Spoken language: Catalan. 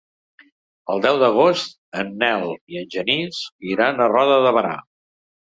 El deu d'agost en Nel i en Genís iran a Roda de Berà.